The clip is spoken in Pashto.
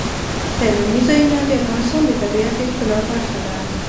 سیلاني ځایونه د افغانستان د طبیعت د ښکلا برخه ده.